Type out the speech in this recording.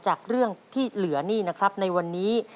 จากเรื่องที่เหลือนี่นะครับในวันนี้